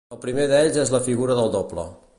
El primer d'ells és la figura del doble.